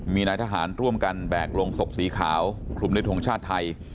มีนายทหารร่วมกันแบกลงศพสีขาวคลุมด้วยทงชาติไทย